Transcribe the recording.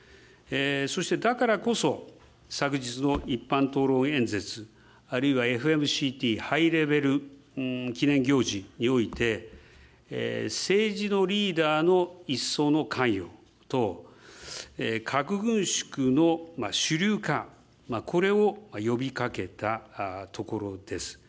そしてだからこそ、昨日の一般討論演説、あるいはＦＭＣＴハイレベル記念行事において、政治のリーダーの一層の関与と、核軍縮の主流化、これを呼びかけたところです。